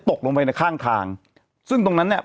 ตกลงไปในข้างทางซึ่งตรงนั้นเนี่ย